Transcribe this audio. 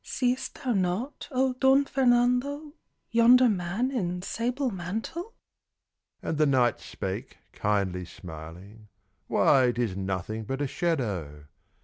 "See'st thou not, oh Don Fernando, Yonder man in sable mantle?" And the knight spake, kindly smiling, "Why, 'tis nothing but a shadow."